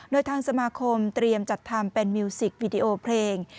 โดยทางสมาคมเตรียมจัดทำเป็นมิวสิกวิดีโอเพลง